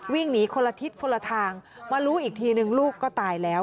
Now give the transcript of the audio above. วิ่งหนีคนละทิศคนละทางมารู้อีกทีนึงลูกก็ตายแล้ว